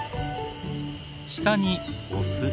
下にオス。